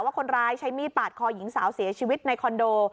คนร้ายใช้มีดปาดคอหญิงสาวเสียชีวิตในคอนโด